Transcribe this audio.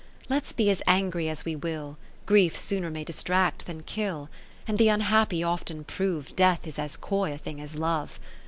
Let's be as angry as we will, (irief sooner may distract than kill, And the unhappy often prove Death is as coy a thing as Love.